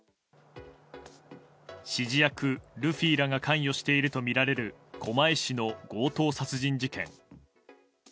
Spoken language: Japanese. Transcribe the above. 指示役ルフィらが関与しているとみられる狛江市の強盗殺人事件。